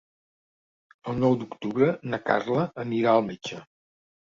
El nou d'octubre na Carla anirà al metge.